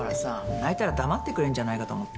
鳴いたら黙ってくれんじゃないかと思って。